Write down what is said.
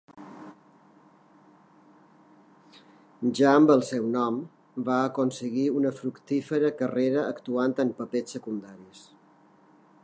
Ja amb el seu nou nom, va aconseguir una fructífera carrera actuant en papers secundaris.